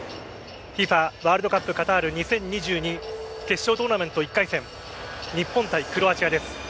ＦＩＦＡワールドカップカタール２０２２決勝トーナメント１回戦日本対クロアチアです。